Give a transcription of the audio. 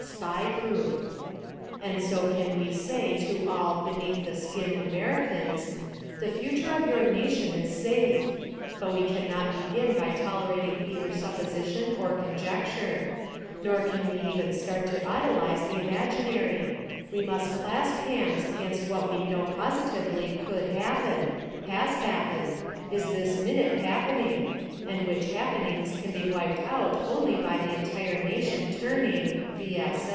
SPY PROOF AMERICA 33 And so can we sa} to all "beneath the skin" x\mericans : The future of your nation is safe! But we can not begin by tolerating either supposition or con jecture; nor can we even start to idolize the imaginary; we must clasp hands against what we know positively could happen, has happened, is this minute happening, and which happenings can be wiped out only by the entire nation turning— V.